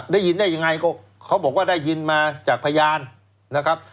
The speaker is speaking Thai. ได้ยินได้ยังไงก็เขาบอกว่าได้ยินมาจากพยานนะครับ